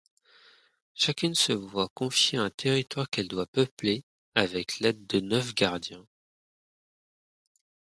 Chacune se voit confier un territoire qu'elle doit peupler, avec l'aide de neuf gardiens.